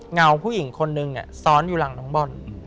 เงาผู้หญิงคนนึงซ้อนอยู่หลังน้องบอล